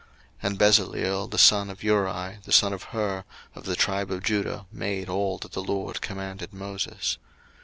02:038:022 And Bezaleel the son Uri, the son of Hur, of the tribe of Judah, made all that the LORD commanded Moses.